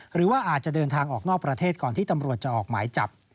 หรือว่าอาจจะเดินทางออกนอกประเทศก่อนที่ตำรวจจะออกหมายจับ